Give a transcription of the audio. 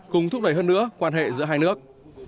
cùng thúc đẩy hơn nữa quan hệ giữa hai nước